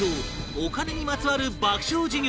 お金にまつわる爆笑授業